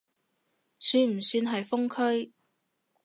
算唔算係封區？